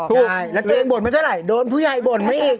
ใช่แล้วเกียงบ่นไปเท่าไหร่โดนผู้ใหญ่บ่นมาอีก